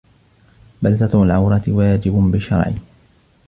بَلْ سَتْرُ الْعَوْرَةِ وَاجِبٌ بِالشَّرْعِ